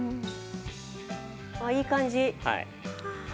ああいい感じ。